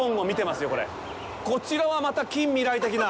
こちらは、また近未来的な！